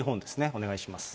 お願いします。